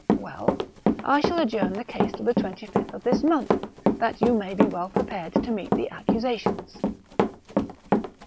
" Well, I shall adjourn the case till the 25th of this month, that you may be well prepared to meet the accusations."